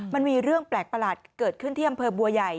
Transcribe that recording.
มันมีเรื่องแปลกประหลาดเกิดขึ้นที่อำเภอบัวใหญ่